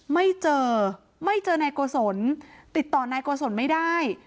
ไม่เจอไม่เจอนายโกศลติดต่อนายโกศลไม่ได้